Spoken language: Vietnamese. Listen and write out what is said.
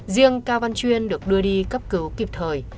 riêng cao văn chuyên được đưa đi cấp cứu kịp thời